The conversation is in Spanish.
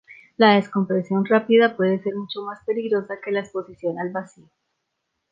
La descompresión rápida puede ser mucho más peligrosa que la exposición al vacío.